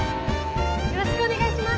よろしくお願いします。